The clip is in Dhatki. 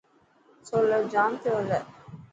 سولر جام پيو هلي.